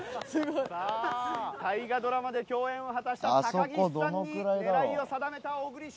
さあ大河ドラマで共演を果たした高岸さんに狙いを定めた小栗旬。